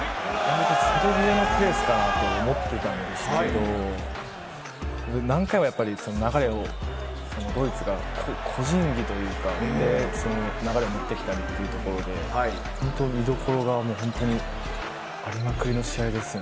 セルビアのペースかなと思ってたんですけれども、何回もやっぱり流れをドイツが個人技で、流れを持ってきたりというところで、本当に見どころがありまくりの試合ですよね。